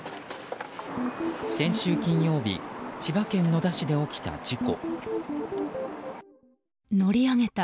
先週金曜日千葉県野田市で起きた事故。